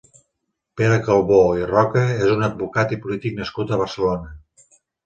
Pere Calbó i Roca és un advocat i polític nascut a Barcelona.